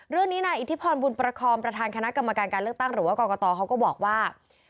เรื่องนี้นายอิทธิพรบุญประคอมประธานคณะกรรมการการเลือกตั้งหรือว่ากรกตเขาก็บอกว่า